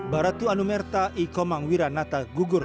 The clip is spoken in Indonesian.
baratu anumerta ikomangwira nata gugur